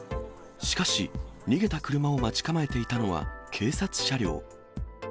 しかし、逃げた車を待ち構えていたのは警察車両。